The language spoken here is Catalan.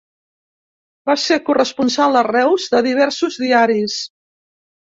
Va ser corresponsal a Reus de diversos diaris.